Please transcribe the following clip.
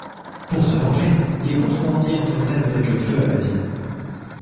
Pour se venger, les contrebandiers entreprennent de mettre le feu à la ville.